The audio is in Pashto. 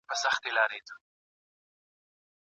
د اصفهان څراغونه به د پاچا په حکم روښانه کېدل.